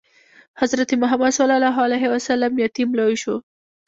حضرت محمد ﷺ یتیم لوی شو.